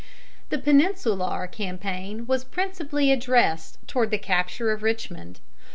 The Peninsular campaign was principally addressed toward the capture of Richmond.